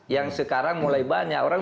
yang sekarang mulai banyak orang